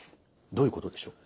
どういうことでしょう？